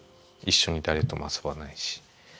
一緒に誰とも遊ばないし。